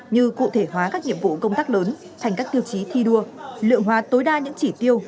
như cụ thể hóa các nhiệm vụ công tác lớn thành các tiêu chí thi đua lượng hóa tối đa những chỉ tiêu